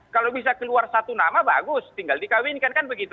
kalau bisa keluar satu nama bagus tinggal dikawinkan kan begitu